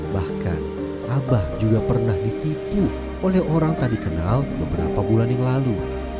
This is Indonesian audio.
bahkan abah juga pernah ditipu oleh orang tak dikenal beberapa bulan yang lalu